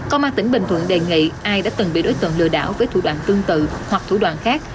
công an tỉnh bình thuận đề nghị ai đã từng bị đối tượng lừa đảo với thủ đoạn tương tự hoặc thủ đoạn khác